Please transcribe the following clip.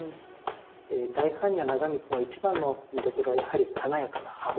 大般若長光の一番の見どころはやはり華やかな刃文。